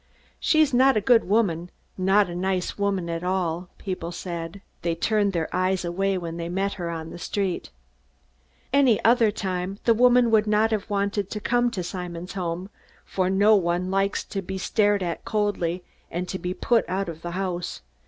"She's not a good woman not a nice woman at all," people said. They turned their eyes away when they met her on the street. At any other time the woman would not have wanted to come to Simon's home, for no one likes to be stared at coldly and be put out of the house.